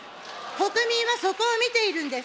国民はそこを見ているんです。